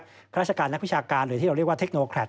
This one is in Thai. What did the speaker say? ราชการนักวิชาการหรือที่เราเรียกว่าเทคโนแครต